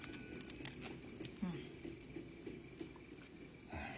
うん。